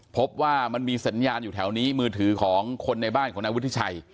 พบว่ามันมีสัญญาณอยู่แถวนี้มือถือของคนในบ้านของนายวุฒิชัย